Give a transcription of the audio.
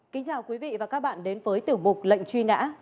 kính chào quý vị và các bạn đến với tiểu mục lệnh truy nã